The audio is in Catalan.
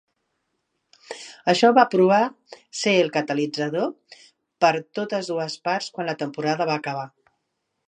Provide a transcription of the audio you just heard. Això va provar ser el catalitzador per totes dues parts quan la temporada va acabar.